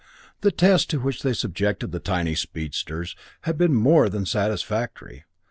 The tests to which they subjected the tiny speedsters had been more than satisfactory.